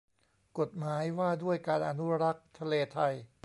กฎหมายว่าด้วยการอนุรักษ์ทะเลไทย